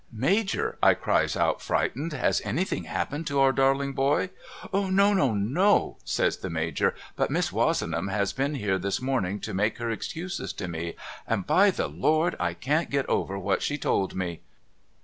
' Major,' I cries out frightened ' has anything happened to our darling boy ?'' No, no, no ' says the IVIajor ' but Miss Wozenham has been here this morning to make her excuses to me, and by the Lord I can't get over what she told me.'